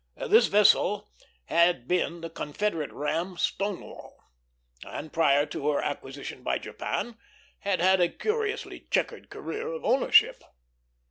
This vessel had been the Confederate ram Stonewall, and prior to her acquisition by Japan had had a curiously checkered career of ownership.